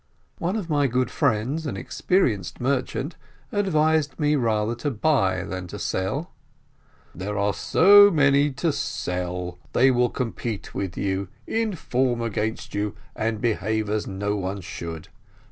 One of my good friends, an experienced merchant, advised me rather to buy than to sell: "There are so many to sell, they will compete with you, inform against you, and behave as no one should.